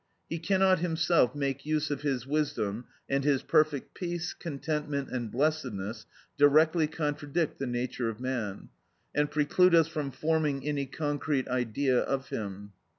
He cannot himself make use of his wisdom, and his perfect peace, contentment, and blessedness directly contradict the nature of man, and preclude us from forming any concrete idea of him.